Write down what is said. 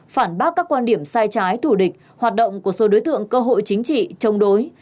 phản bác các quan điểm sai trái thủ địch hoạt động của số đối tượng cơ hội chính trị chống đối